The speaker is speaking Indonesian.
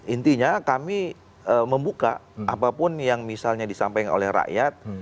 intinya kami membuka apapun yang misalnya disampaikan oleh rakyat